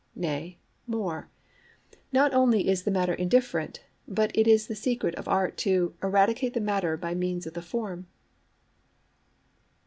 Nay, more: not only is the matter indifferent, but it is the secret of Art to "eradicate the matter by means of the form."'